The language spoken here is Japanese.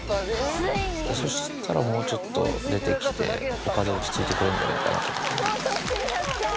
そしたらもうちょっと出てきて、ほかで落ち着いてくれるんじゃないかと。